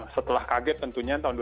setelah kaget tentunya tahun dua ribu dua